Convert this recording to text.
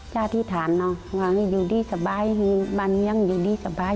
จ้าทิฐานอย่างนี้อยู่ดีสบายบ้านนี้อย่างอยู่ดีสบาย